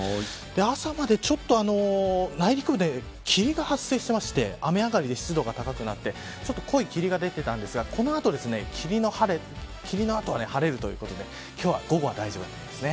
朝までちょっと内陸部で霧が発生していまして雨上がりで、湿度が高くなって濃い霧が出ていたんですがこの後霧のあとは晴れるということで今日は午後は大丈夫だと思います。